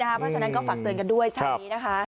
เพราะฉะนั้นก็ฝากเตือนกันด้วยเช้านี้นะคะ